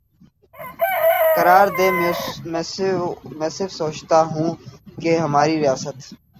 قرار دے میںسوچتاہوں کہ ہماری ریاست